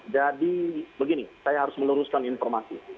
jadi begini saya harus meneruskan informasi